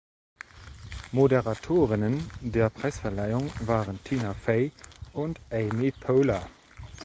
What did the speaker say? Moderatorinnen der Preisverleihung waren Tina Fey und Amy Poehler.